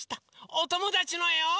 おともだちのえを。